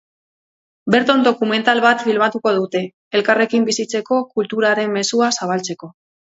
Berton dokumental bat filmatuko dute, elkarrekin bizitzeko kulturaren mezua zabaltzeko.